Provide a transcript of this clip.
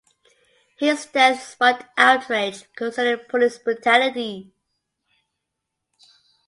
His death sparked outrage concerning police brutality.